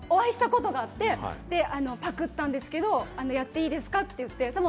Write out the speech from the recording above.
当時、お会いしたことがあってパクッたんですけれども、やっていいですか？